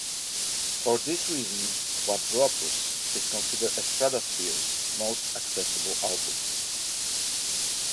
For this reason, "Quadropus" is considered Estradasphere's most accessible album.